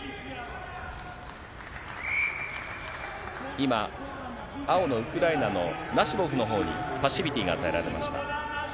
今、青のウクライナのナシボフのほうにパッシビティが与えられました。